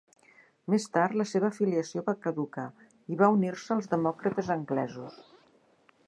Més tard, la seva afiliació va caducar i va unir-se als demòcrates anglesos.